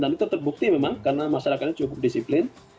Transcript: itu terbukti memang karena masyarakatnya cukup disiplin